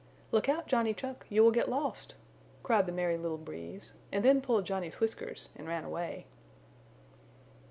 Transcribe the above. "Look out, Johnny Chuck, you will get lost," cried the Merry Little Breeze then pulled Johnny's whiskers and ran away.